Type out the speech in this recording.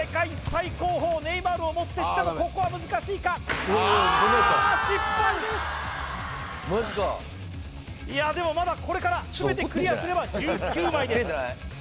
最高峰ネイマールをもってしてもここは難しいかああ失敗ですマジかいやでもまだこれから全てクリアすれば１９枚です